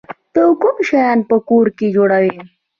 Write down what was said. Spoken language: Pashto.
ته کوم شیان په کور کې جوړوی؟